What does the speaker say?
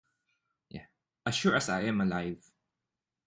As sure as I am alive.